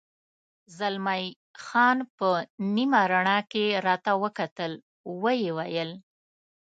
زلمی خان په نیمه رڼا کې راته وکتل، ویې ویل.